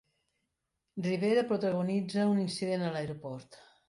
Rivera protagonitza un incident a l'aeroport